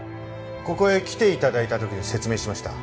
ここへ来て頂いた時に説明しました。